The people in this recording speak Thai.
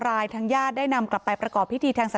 เพราะไม่เคยถามลูกสาวนะว่าไปทำธุรกิจแบบไหนอะไรยังไง